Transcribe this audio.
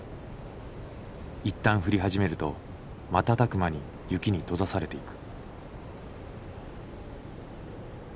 一旦降り始めると瞬く間に雪に閉ざされていく。